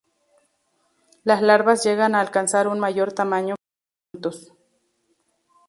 Las larvas llegan a alcanzar un mayor tamaño que los adultos.